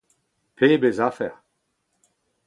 Pebezh afer !